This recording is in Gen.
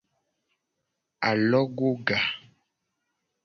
Alogoga.